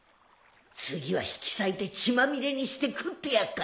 次は引き裂いて血まみれにして食ってやっからな。